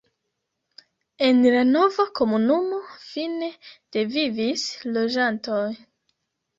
En la nova komunumo fine de vivis loĝantoj.